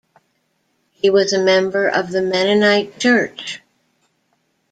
He was a member of the Mennonite Church.